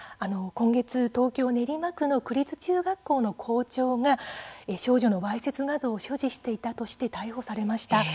東京練馬区の区立中学校の校長が少女わいせつ画像を所持していたとして逮捕されました。